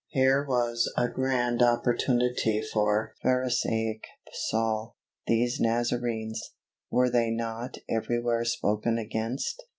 Here was a grand opportunity for Pharisaic Saul. These Nazarenes, were they not everywhere spoken against?